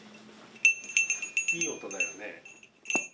いい音だよね。